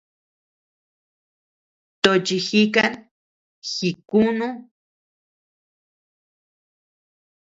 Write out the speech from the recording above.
Tochi jikan jikunu ú.